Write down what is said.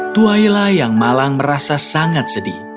twaila yang malang merasa sangat sedih